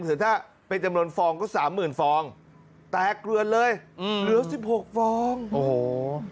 หรือถ้าเป็นจำนวนฟองก็สามหมื่นฟองแตกเกลือนเลยอืมเหลือสิบหกฟองโอ้โห